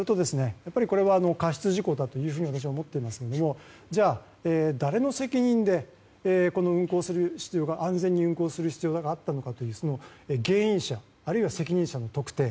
過失事故だというふうに思ってますがじゃあ、誰の責任で安全に運航する必要があったのかというその原因者あるいは責任者の特定。